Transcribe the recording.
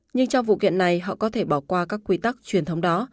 nhưng trong vụ kiện này họ có thể bỏ qua các quy tắc truyền thống đó